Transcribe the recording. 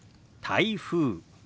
「台風」。